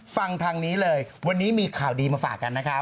ฟังทางนี้เลยวันนี้มีข่าวดีมาฝากกันนะครับ